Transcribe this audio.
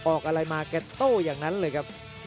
ออกอะไรมาแกโต้อย่างนั้นเลยครับ